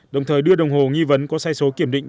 đồng thời đưa đồng hồ nghi vấn có sai số kiểm định